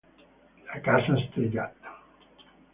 La casa stregata